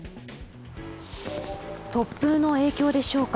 突風の影響でしょうか。